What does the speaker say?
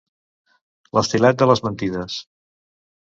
L’estilet de les mentides.